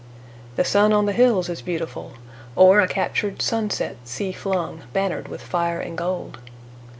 The sun on the hills is beautiful, Or a captured sunset sea flung, Bannered with fire and gold.